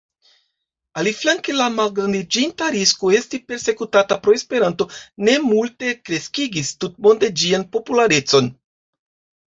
Aliflanke, la malgrandiĝinta risko esti persekutata pro Esperanto, ne multe kreskigis tutmonde ĝian popularecon.